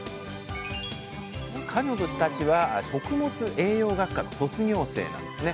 彼女たちは食物栄養学科の卒業生なんですね。